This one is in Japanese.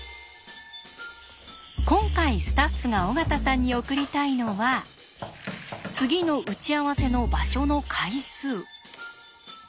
今回スタッフが尾形さんに送りたいのは次の打ち合わせの場所の階数。